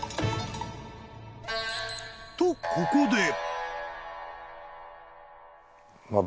［とここで］